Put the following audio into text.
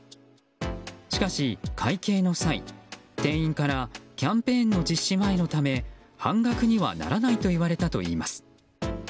しかし、会計の際店員からキャンペーンの実施前のため半額にはならないと言われたといいます。